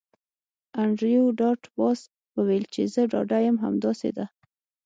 انډریو ډاټ باس وویل چې زه ډاډه یم همداسې ده